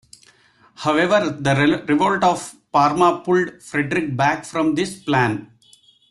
However, the revolt of Parma pulled Frederick back from this plan.